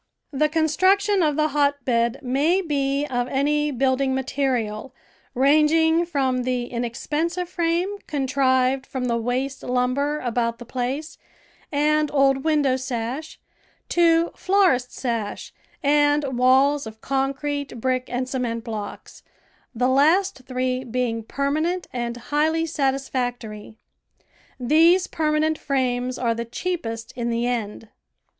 The construction of the hotbed may be of any building material, ranging from the inexpensive frame contrived from the waste lumber about the place and old window^ sash to florist's sash and walls of concrete, brick, and cement blocks, the last three being permanent and highly satisfactory. These permanent frames are the cheapest in the end.